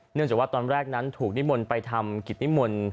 จากว่าตอนแรกนั้นถูกนิมนต์ไปทำกิจนิมนต์